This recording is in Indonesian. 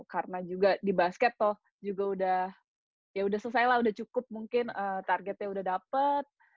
karena juga di basket toh juga udah ya udah selesai lah udah cukup mungkin targetnya udah dapet